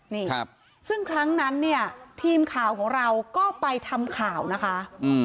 นี่ครับซึ่งครั้งนั้นเนี่ยทีมข่าวของเราก็ไปทำข่าวนะคะ